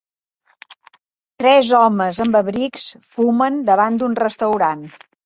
Tres homes amb abrics fumen davant d'un restaurant.